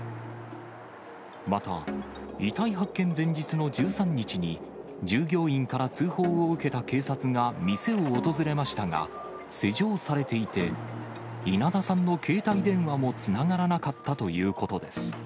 また、遺体発見前日の１３日に、従業員から通報を受けた警察が店を訪れましたが、施錠されていて、稲田さんの携帯電話もつながらなかったということです。